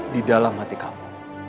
di dalam hati kamu